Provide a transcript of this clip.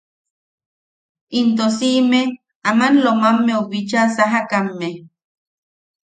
Into simme aman Lo- mammeu bicha sajakame.